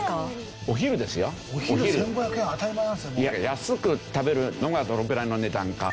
安く食べるのがどのくらいの値段か。